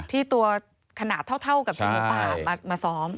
ที่ตัวขนาดเท่ากับทีมหมูป่ามาซ้อม